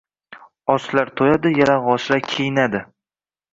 Ochlar to’yadi, yalang’ochlar kiyinadi.